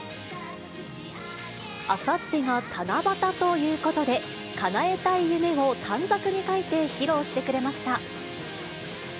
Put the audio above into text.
あさってが七夕ということで、かなえたい夢を短冊に書いて披露してくれました。